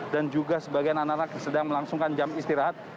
juga sebagian anak anak sedang melangsungkan jam istirahat